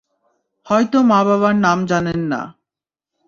হয়তো মা-বাবার নাম জানেন না।